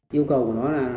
yêu cầu của nó là